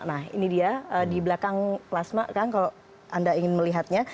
nah ini dia di belakang plasma kang kalau anda ingin melihatnya